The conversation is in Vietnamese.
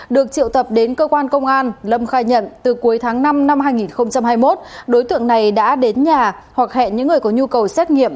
được triệu tập đến cơ quan công an lâm khai nhận từ cuối tháng năm năm hai nghìn hai mươi một đối tượng này đã đến nhà hoặc hẹn những người có nhu cầu xét nghiệm